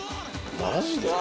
マジで？